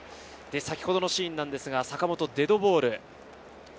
先ほどのシーンなんですが、坂本、デッドボール。